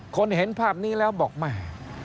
เห็นภาพนี้แล้วบอกแม่